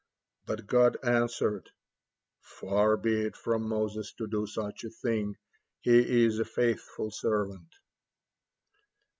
'" But God answered: "Far be it from Moses to do such a thing, he is a faithful servant!"